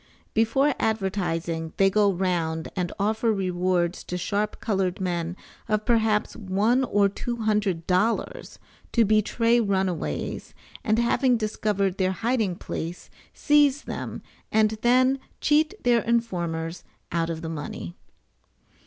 ] Before advertising they go round and offer rewards to sharp colored men of perhaps one or two hundred dollars, to betray runaways, and having discovered their hiding place, seize them and then cheat their informers out of the money.